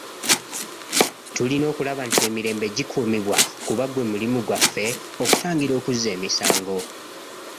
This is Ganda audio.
Tulina okulaba nti emirembe gikuumibwa kuba gwe mulimu gwaffe okutangira okuzza emisango.